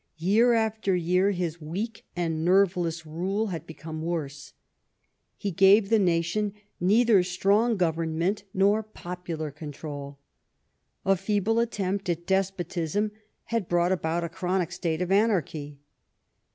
Year after year his weak and nerveless rule had become worse. He gave the nation neither strong government nor popular control. A feeble attempt at despotism had brought about a chronic state of anarchy.